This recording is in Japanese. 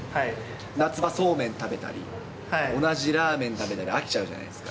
夏場、そうめん食べたり、同じラーメン食べたり、飽きちゃうじゃないですか。